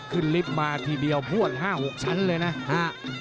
ขึ้นลิฟต์มาทีเดียวผวด๕๖ชั้นเลยนะ